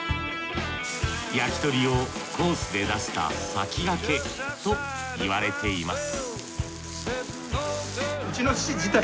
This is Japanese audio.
焼き鳥をコースで出した先駆けといわれています